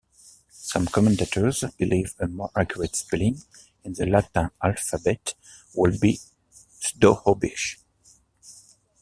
Some commentators believe a more accurate spelling in the Latin alphabet would be Sdohobich.